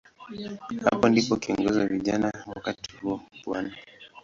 Hapo ndipo kiongozi wa vijana wakati huo, Bw.